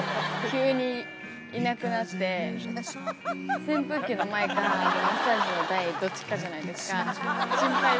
急にいなくなって、扇風機の前か、マッサージの台、どっちかじゃないですか。